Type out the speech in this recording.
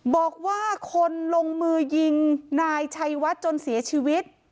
บอกว่าคนลงมือยิงนายชัยวัดจนเสียชีวิต